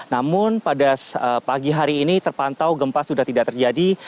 namun pada pagi hari ini terpantau gempa sudah tidak terjadi